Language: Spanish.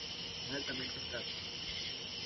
Es altamente escasa.